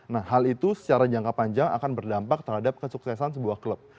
nah hal itu secara jangka panjang akan berdampak terhadap kesuksesan sebuah klub